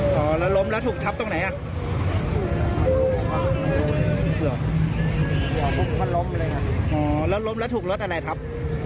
ก็ล้มเลยครับแล้วถูกรถอะไรครับ